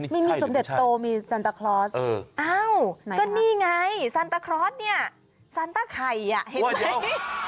สมเด็จโตมีซันตาคลอสอ้าวก็นี่ไงซันตาคลอสเนี่ยซันต้าไข่อ่ะเห็นไหม